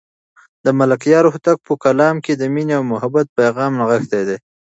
د ملکیار هوتک په کلام کې د مینې او محبت پیغام نغښتی دی.